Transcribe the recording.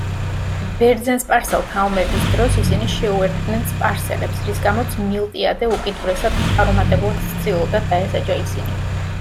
ბერძენ–სპარსელთა ომების დროს ისინი შეუერთდნენ სპარსელებს, რის გამოც მილტიადე უკიდურესად წარუმატებლად ცდილობდა დაესაჯა ისინი.